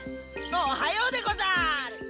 おはようでござーる！